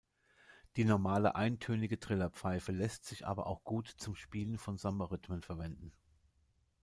Die „normale“ eintönige Trillerpfeife lässt sich aber auch gut zum Spielen von Samba-Rhythmen verwenden.